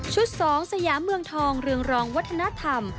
ชุดสองสยาเมืองทองเรืองรองวัฒนธรรม